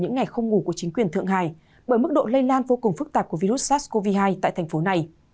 những ngày không ngủ của chính quyền thượng hải bởi mức độ lây lan vô cùng phức tạp của virus sars cov hai tại thành phố này